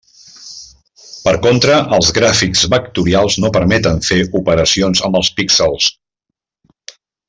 Per contra, els gràfics vectorials no permeten fer operacions amb els píxels.